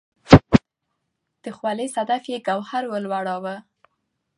د خولې صدف یې ګوهر ولوراوه